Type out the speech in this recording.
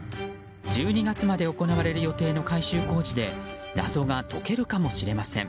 １２月まで行われる予定の改修工事で謎が解けるかもしれません。